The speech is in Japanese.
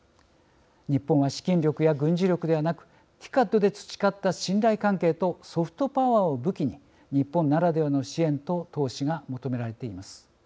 日本は資金力や軍事力ではなくＴＩＣＡＤで培った信頼関係とソフトパワーを武器に日本ならではの支援と投資が求められています。